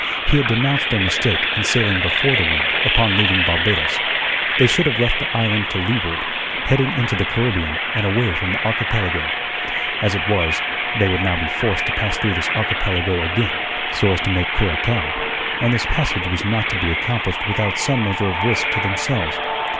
He had denounced their mistake in sailing before the wind upon leaving Barbados. They should have left the island to leeward, heading into the Caribbean and away from the archipelago. As it was, they would now be forced to pass through this archipelago again so as to make Curacao, and this passage was not to be accomplished without some measure of risk to themselves.